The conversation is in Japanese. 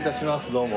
どうも。